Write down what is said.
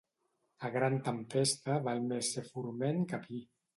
A gran tempesta val més ser forment que pi.